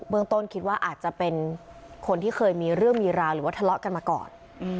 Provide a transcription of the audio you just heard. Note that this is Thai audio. ต้นคิดว่าอาจจะเป็นคนที่เคยมีเรื่องมีราวหรือว่าทะเลาะกันมาก่อน